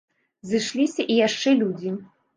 Зышліся і яшчэ людзі.